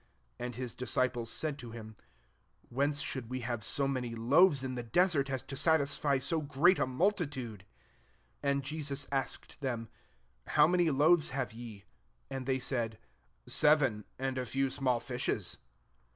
33 And his disciples said to him, " Whence should we have so many loaves in the desert, as to satisfy so great a multitude ?" 34 And Jesus ask ed them, " How many loaves have ye V And they said, " Sev en ; and a few small fishes.'